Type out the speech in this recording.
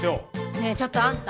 ねえちょっとあんた。